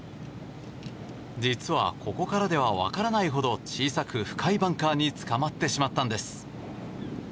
実は、ここからでは分からないほど小さく深いバンカーにつかまってしまったんです。